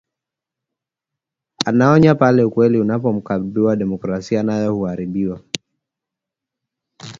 Anaonya pale ukweli unapoharibiwa demokrasia nayo huharibiwa